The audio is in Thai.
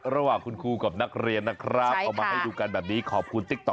ระหว่างคุณครูกับนักเรียนน่ะครับ